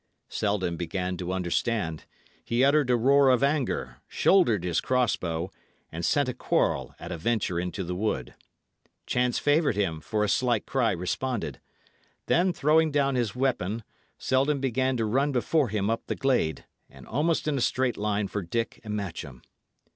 Selden began to understand; he uttered a roar of anger, shouldered his cross bow, and sent a quarrel at a venture into the wood. Chance favoured him, for a slight cry responded. Then, throwing down his weapon, Selden began to run before him up the glade, and almost in a straight line for Dick and Matcham.